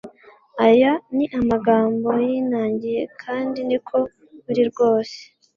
aya ni amagambo yinangiye kandi niko biri rwose